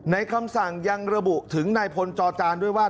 คำสั่งยังระบุถึงนายพลจอจานด้วยว่า